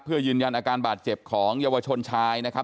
เพื่อยืนยันอาการบาดเจ็บของเยาวชนชายนะครับ